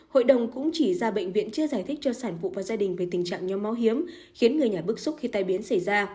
hội đồng cũng chỉ ra bệnh viện chưa giải thích cho sản phụ và gia đình về tình trạng nhóm máu hiếm khiến người nhà bức xúc khi tai biến xảy ra